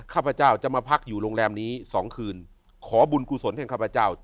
ข้าพเจ้าจะมาพักอยู่โรงแรมนี้สองคืนขอบุญกลุ่มสวนให้ข้าพเจ้า